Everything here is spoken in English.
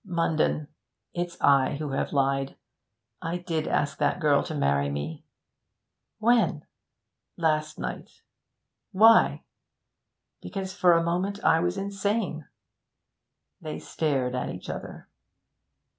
'Munden, it's I who have lied. I did ask that girl to marry me.' 'When?' 'Last night.' 'Why?' 'Because for a moment I was insane.' They stared at each other.